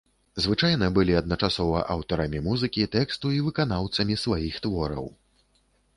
Звычайна былі адначасова аўтарамі музыкі, тэксту і выканаўцамі сваіх твораў.